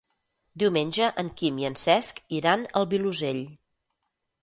Diumenge en Quim i en Cesc iran al Vilosell.